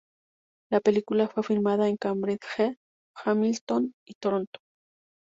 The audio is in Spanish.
La película fue filmada en Cambridge, Hamilton y Toronto.